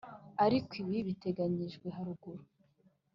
Ariko ibi biteganyijwe haruguru